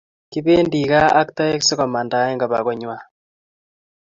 Kipendi kaa ak taek sikomandaen kobaa konywan